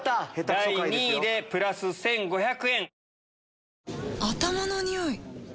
第２位でプラス１５００円。